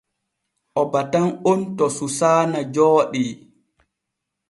O batan on to Susaana Jooɗi.